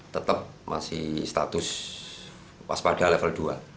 tetap masih status waspada level dua